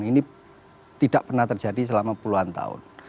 ini tidak pernah terjadi selama puluhan tahun